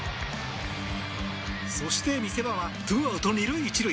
そして、見せ場はツーアウト２塁１塁。